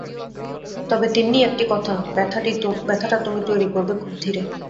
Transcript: তবে তিন্নি একটি কথা, ব্যথাটা তুমি তৈরি করবে খুব ধীরে।